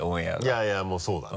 いやいやもうそうだね。